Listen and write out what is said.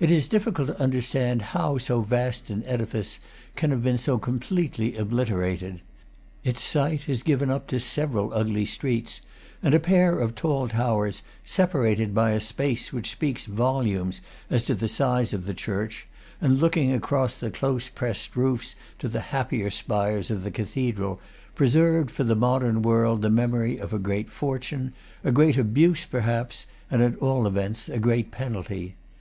It is difficult to understand how so vast an ediface can have been so completely obliterated. Its site is given up to several ugly streets, and a pair of tall towers, separated by a space which speaks volumes as to the size of the church, and looking across the close pressed roofs to the happier spires of the cathedral, preserved for the modern world the memory of a great fortune, a great abuse, perhaps, and at all events a great pen alty.